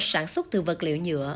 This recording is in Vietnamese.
sản xuất từ vật liệu nhựa